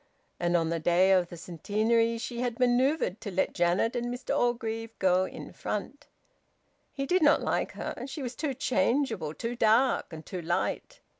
And on the day of the Centenary she had manoeuvred to let Janet and Mr Orgreave go in front... He did not like her. She was too changeable, too dark, and too light...